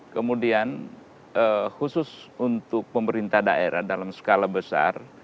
kemudian khusus untuk pemerintah daerah dalam skala besar